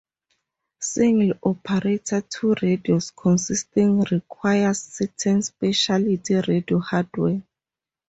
Single operator two radios contesting requires certain specialty radio hardware.